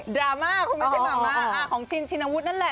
ดราม่าของชินชินวุฒินั่นแหละ